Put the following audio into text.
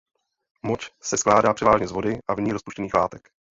Moč se skládá převážně z vody a v ní rozpuštěných látek.